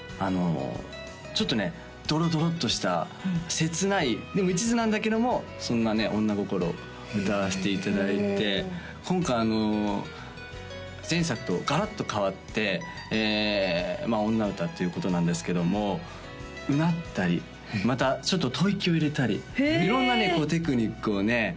ちょっとねドロドロっとした切ないでも一途なんだけどもそんなね女心を歌わせていただいて今回前作とガラッと変わって女歌っていうことなんですけどもうなったりまたちょっと吐息を入れたり色んなテクニックをね